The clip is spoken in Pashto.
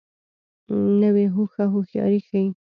نوې هوښه هوښیاري ښیي